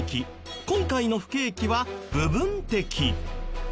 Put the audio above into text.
今回の不景気は部分的。